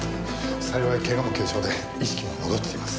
幸い怪我も軽傷で意識は戻っています。